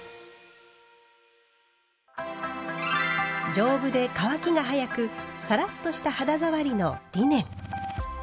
丈夫で乾きが早くサラッとした肌触りのリネン。